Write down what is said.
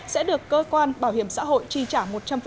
sẽ được cơ quan bảo hiểm xã hội tri trả một trăm linh